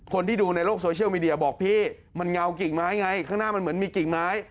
คนที่ดูในโลกโซเชียลมีเดียบอกพี่มันเงากิ่งไม้ไงข้างหน้ามันเหมือนมีกิ่งไม้